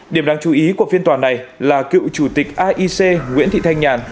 điểm đáng chú ý của phiên tòa này là cựu chủ tịch aic nguyễn thị thanh nhàn